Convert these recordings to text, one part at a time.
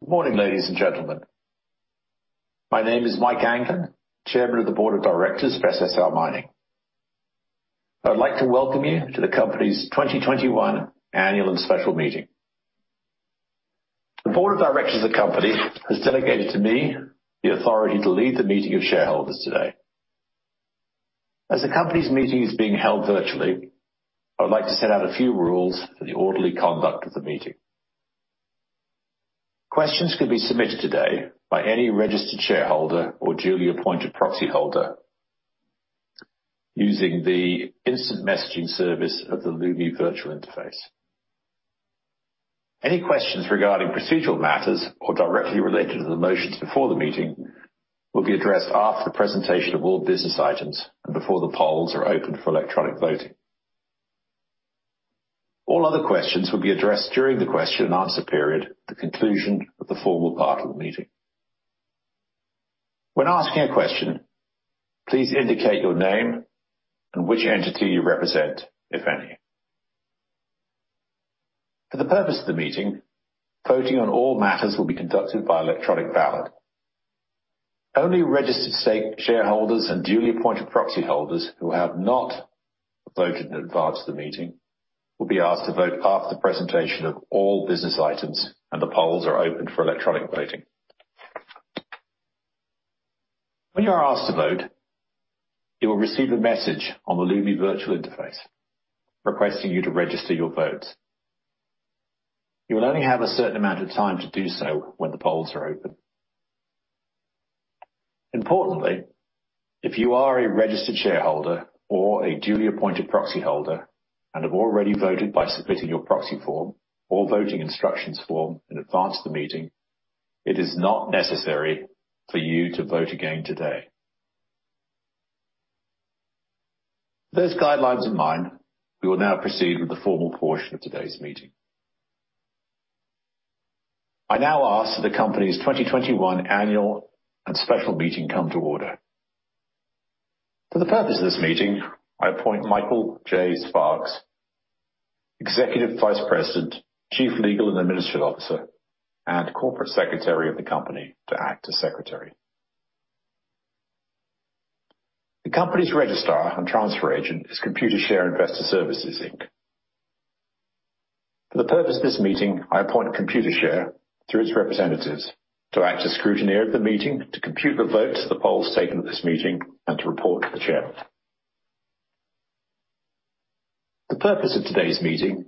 Good morning, ladies and gentlemen. My name is Mike Anglin, Chairman of the Board of Directors for SSR Mining. I'd like to welcome you to the company's 2021 annual and special meeting. The Board of Directors of the company has delegated to me the authority to lead the meeting of shareholders today. As the company's meeting is being held virtually, I'd like to set out a few rules for the orderly conduct of the meeting. Questions can be submitted today by any registered shareholder or duly appointed proxy holder using the instant messaging service of the Lumi virtual interface. Any questions regarding procedural matters or directly related to the motions before the meeting will be addressed after the presentation of all business items and before the polls are open for electronic voting. All other questions will be addressed during the question and answer period at the conclusion of the formal part of the meeting. When asking a question, please indicate your name and which entity you represent, if any. For the purpose of the meeting, voting on all matters will be conducted by electronic ballot. Only registered shareholders and duly appointed proxy holders who have not voted in advance of the meeting will be asked to vote after the presentation of all business items, and the polls are open for electronic voting. When you're asked to vote, you'll receive a message on the Lumi virtual interface requesting you to register your vote. You'll only have a certain amount of time to do so when the polls are open. Importantly, if you are a registered shareholder or a duly appointed proxy holder and have already voted by submitting your proxy form or voting instructions form in advance of the meeting, it is not necessary for you to vote again today. We will now proceed with the formal portion of today's meeting. I now ask that the company's 2021 annual and special meeting come to order. I appoint Michael J. Sparks, Executive Vice President, Chief Legal and Administrative Officer, and Corporate Secretary of the company, to act as secretary. The company's registrar and transfer agent is Computershare Investor Services, Inc. I appoint Computershare through its representatives to act as scrutineer of the meeting, to compute the votes of the poll stated at this meeting, and to report to the chair. The purpose of today's meeting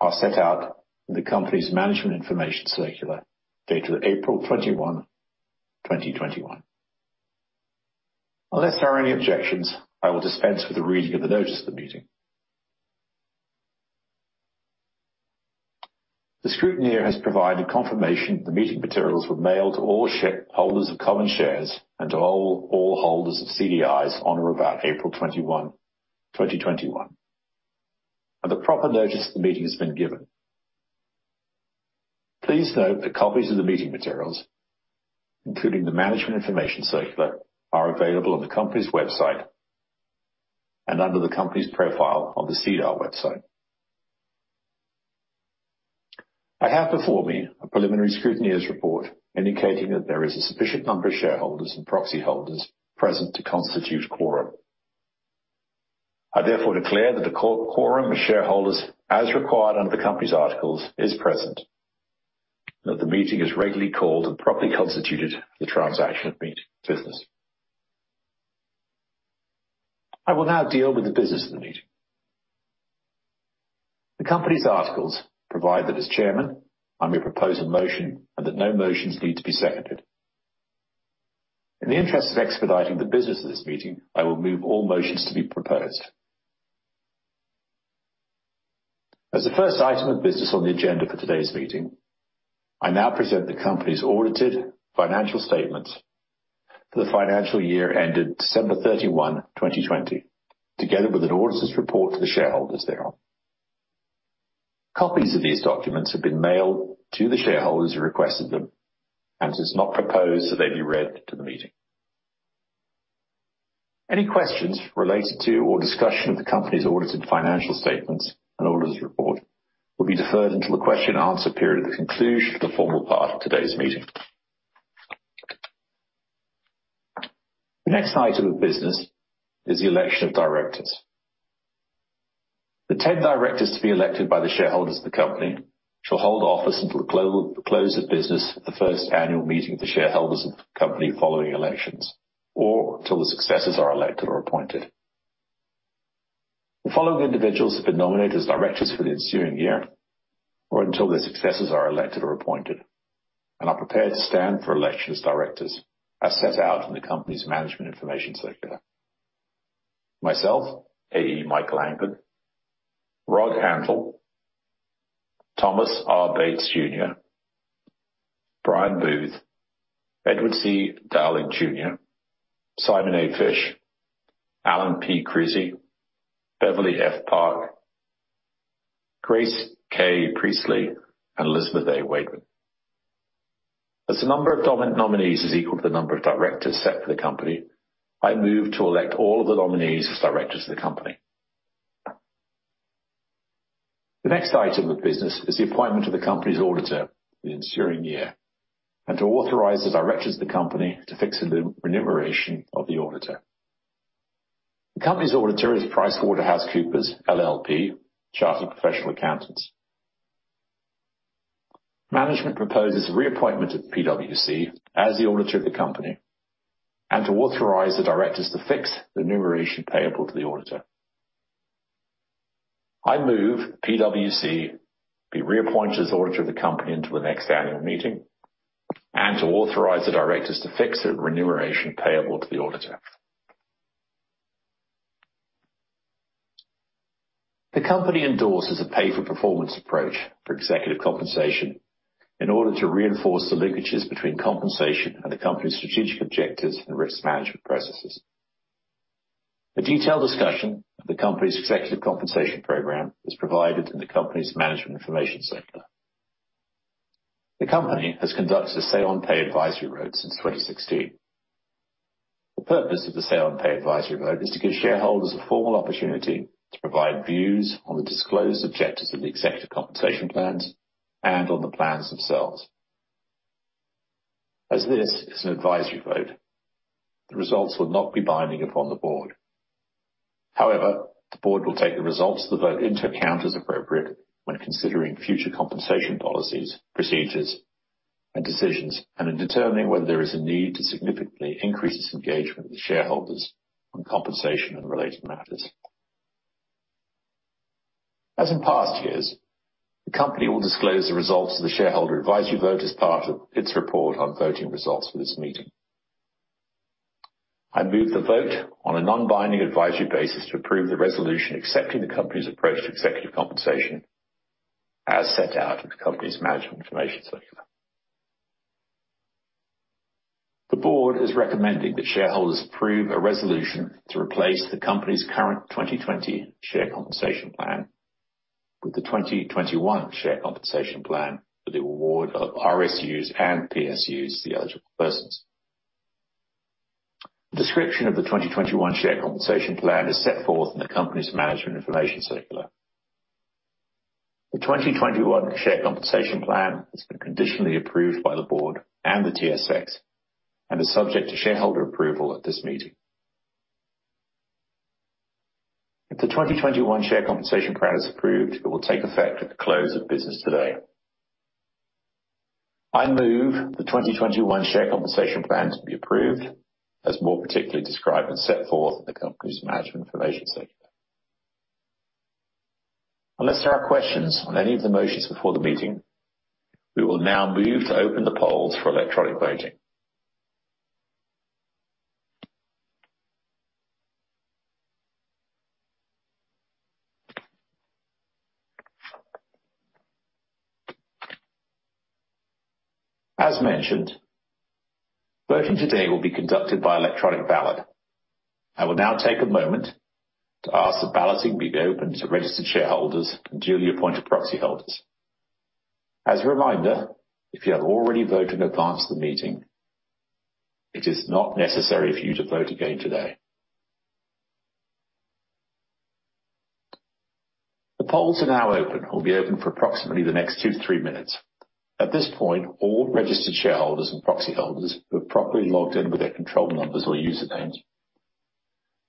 are set out in the company's management information circular dated April 21, 2021. Unless there are any objections, I will dispense with the reading of the notice of the meeting. The scrutineer has provided confirmation the meeting materials were mailed to all shareholders of common shares and to all holders of CDIs on or about April 21, 2021, and the proper notice of the meeting has been given. Please note that copies of the meeting materials, including the management information circular, are available on the company's website and under the company's profile on the SEDAR website. I have before me a preliminary scrutineer's report indicating that there is a sufficient number of shareholders and proxy holders present to constitute quorum. I therefore declare that a quorum of shareholders, as required under the company's articles, is present, and that the meeting is regularly called and properly constituted for the transaction of business. I will now deal with the business of the meeting. The company's articles provide that as chairman, I may propose a motion and that no motions need to be seconded. In the interest of expediting the business of this meeting, I will move all motions to be proposed. As the first item of business on the agenda for today's meeting, I now present the company's audited financial statements for the financial year ended December 31, 2020, together with an auditor's report to the shareholders thereon. Copies of these documents have been mailed to the shareholders who requested them and it is not proposed that they be read to the meeting. Any questions related to or discussion of the company's audited financial statements and auditor's report will be deferred until the question and answer period at the conclusion of the formal part of today's meeting. The next item of business is the election of directors. The 10 directors to be elected by the shareholders of the company shall hold office until the close of business at the first annual meeting of the shareholders of the company following elections or until the successors are elected or appointed. The following individuals have been nominated as directors for the ensuing year or until their successors are elected or appointed, and are prepared to stand for election as directors as set out in the company's management information circular. Myself, A.E. Michael Anglin, Rod Antal, Thomas R. Bates Jr., Brian Booth, Edward C. Dowling Jr., Simon A. Fish, Alan P. Krusi, Beverlee F. Park, Grace K. Priestly, and Elizabeth A. Wademan. As the number of nominees is equal to the number of directors set for the company, I move to elect all the nominees as directors of the company. The next item of business is the appointment of the company's auditor for the ensuing year and to authorize the directors of the company to fix the remuneration of the auditor. The company's auditor is PricewaterhouseCoopers LLP, chartered professional accountants. Management proposes the reappointment of PwC as the auditor of the company, and to authorize the directors to fix the remuneration payable to the auditor. I move PwC be reappointed as auditor of the company until the next annual meeting and to authorize the directors to fix the remuneration payable to the auditor. The company endorses a pay-for-performance approach for executive compensation in order to reinforce the linkages between compensation and the company's strategic objectives and risk management processes. A detailed discussion of the company's executive compensation program is provided in the company's management information circular. The company has conducted a Say-on-Pay Advisory Vote since 2016. The purpose of the Say-on-Pay Advisory Vote is to give shareholders a formal opportunity to provide views on the disclosed objectives of the executive compensation plans and on the plans themselves. As this is an advisory vote, the results will not be binding upon the board. However, the board will take the results of the vote into account as appropriate when considering future compensation policies, procedures, and decisions, and in determining whether there is a need to significantly increase its engagement with shareholders on compensation and related matters. As in past years, the company will disclose the results of the shareholder advisory vote as part of its report on voting results for this meeting. I move the vote on a non-binding advisory basis to approve the resolution accepting the company's approach to executive compensation as set out in the company's management information circular. The board is recommending that shareholders approve a resolution to replace the company's current 2020 share compensation plan with the 2021 share compensation plan for the award of RSUs and PSUs to eligible persons. The description of the 2021 share compensation plan is set forth in the company's management information circular. The 2021 share compensation plan has been conditionally approved by the board and the TSX and is subject to shareholder approval at this meeting. If the 2021 share compensation plan is approved, it will take effect at the close of business today. I move the 2021 share compensation plan to be approved as more particularly described and set forth in the company's management information circular. Unless there are questions on any of the motions before the meeting, we will now move to open the polls for electronic voting. As mentioned, voting today will be conducted by electronic ballot. I will now take a moment to ask that balloting be opened to registered shareholders and duly appointed proxyholders. As a reminder, if you have already voted in advance of the meeting, it is not necessary for you to vote again today. The polls are now open, will be open for approximately the next two to three minutes. At this point, all registered shareholders and proxyholders who have properly logged in with their control numbers or usernames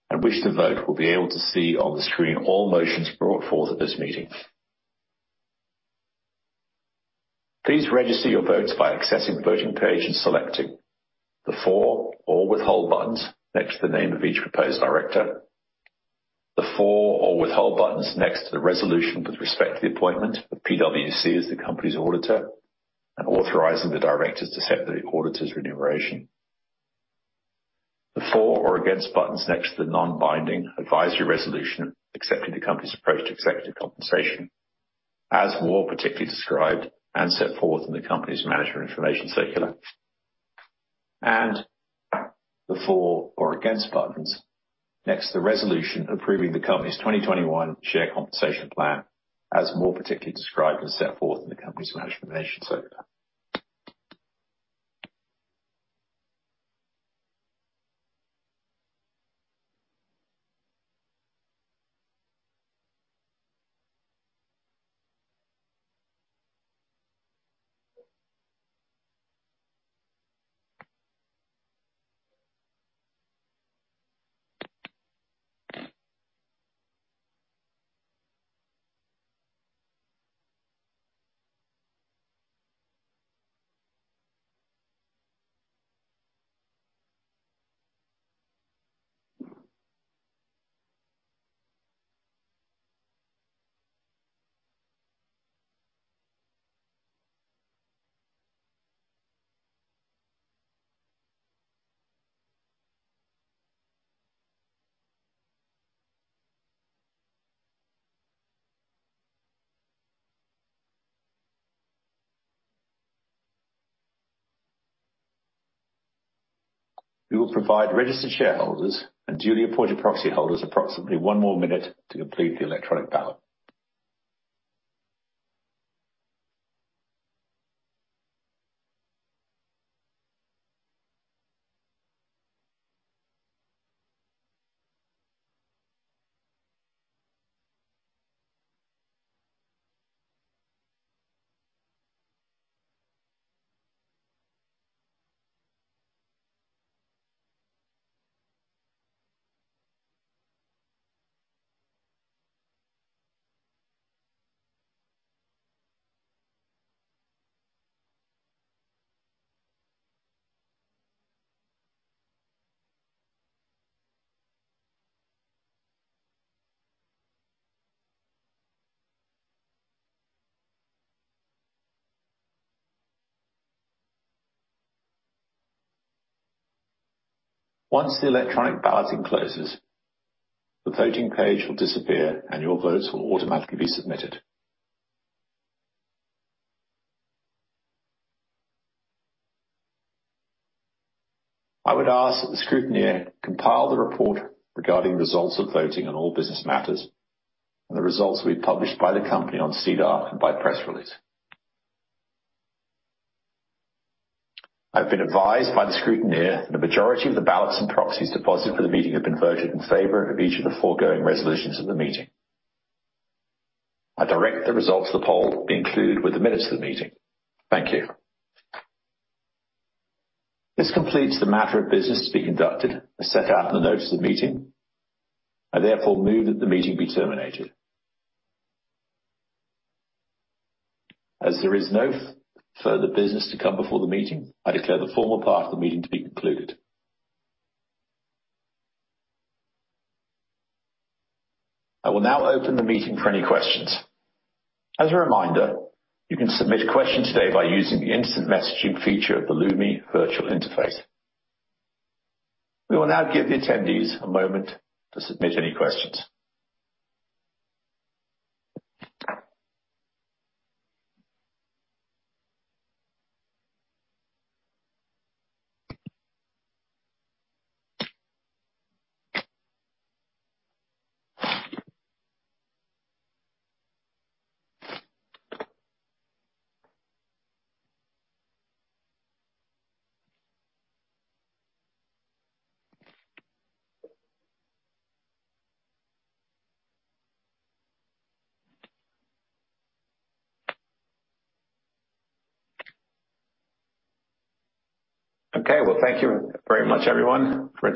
and wish to vote will be able to see on the screen all motions brought forth at this meeting. Please register your votes by accessing the voting page and selecting the "For" or "Withhold" buttons next to the name of each proposed director. The "For" or "Withhold" buttons next to the resolution with respect to the appointment of PwC as the company's auditor and authorizing the directors to set the auditor's remuneration. The "For" or "Against" buttons next to the non-binding advisory resolution accepting the company's approach to executive compensation as more particularly described and set forth in the company's management information circular. The "For" or "Against" buttons next to the resolution approving the company's 2021 share compensation plan as more particularly described and set forth in the company's management information circular. We will provide registered shareholders and duly appointed proxyholders approximately one more minute to complete the electronic ballot. Once the electronic ballot closes, the voting page will disappear and your votes will automatically be submitted. I would ask that the scrutineer compile the report regarding results of voting on all business matters, the results will be published by the company on SEDAR and by press release. I've been advised by the scrutineer that the majority of the ballots and proxies deposited for the meeting have been voted in favor of each of the foregoing resolutions of the meeting. I direct the results of the poll be included with the minutes of the meeting. Thank you. This completes the matter of business to be conducted as set out in the notice of the meeting. I therefore move that the meeting be terminated. There is no further business to come before the meeting, I declare the formal part of the meeting to be concluded. I will now open the meeting for any questions. A reminder, you can submit questions today by using the instant messaging feature of the Lumi virtual interface. We will now give the attendees a moment to submit any questions. Okay, well, thank you very much, everyone.